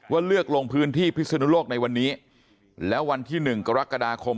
ว่าเลือกลงพื้นที่พิศนุโลกในวันนี้แล้ววันที่หนึ่งกรกฎาคม